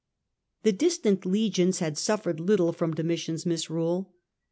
The distant legions had suffered little from Domitian^s misrule.